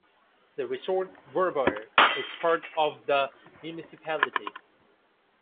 The resort Verbier is part of the municipality.